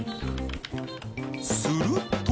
すると。